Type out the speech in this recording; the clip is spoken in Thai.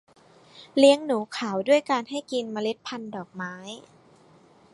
เลี้ยงหนูขาวด้วยการให้กินเมล็ดพันธ์ดอกไม้